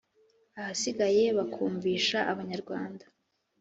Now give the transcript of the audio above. ahasigaye bakumvisha abanyarwanda